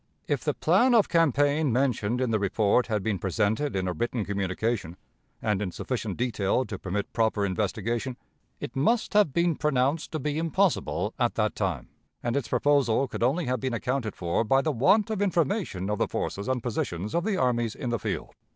"If the plan of campaign mentioned in the report had been presented in a written communication, and in sufficient detail to permit proper investigation, it must have been pronounced to be impossible at that time, and its proposal could only have been accounted for by the want of information of the forces and positions of the armies in the field.